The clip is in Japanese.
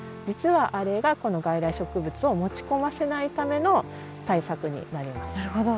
実はあれがこの外来植物を持ち込ませないための対策になります。